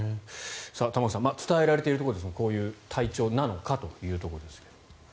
玉川さん伝えられているところですがこういう体調なのかというところですが。